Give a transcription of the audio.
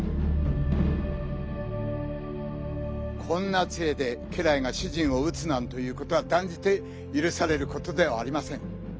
こんな杖で家来が主人を打つということはだんじてゆるされることではありません。